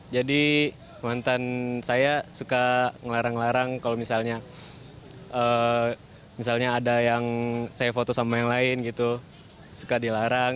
jadi mantan saya suka ngelarang ngelarang kalau misalnya ada yang saya foto sama yang lain gitu suka dilarang